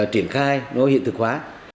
triển khai nó hiện thực hóa